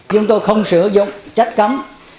chúng tôi không sử dụng chất cấm